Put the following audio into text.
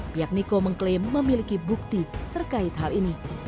pihak niko mengklaim memiliki bukti terkait hal ini